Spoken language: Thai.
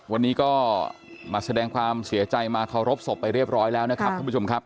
วันนี้ก็มาแสดงความเสียใจมาเคารพศพไปเรียบร้อยแล้วนะครับ